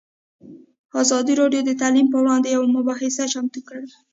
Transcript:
ازادي راډیو د تعلیم پر وړاندې یوه مباحثه چمتو کړې.